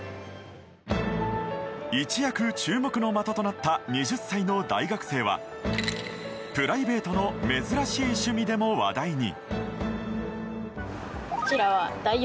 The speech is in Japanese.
一躍注目の的となった２０歳の大学生はプライベートの珍しい趣味でも話題に。